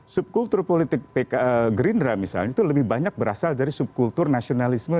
subkultur politik gerindra misalnya itu lebih banyak berasal dari subkultur nasionalisme